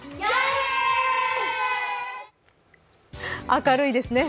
明るいですね。